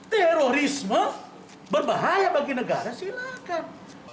terorisme berbahaya bagi negara silakan